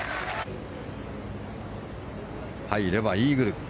入ればイーグル。